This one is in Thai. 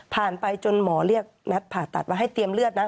ไปจนหมอเรียกแมทผ่าตัดว่าให้เตรียมเลือดนะ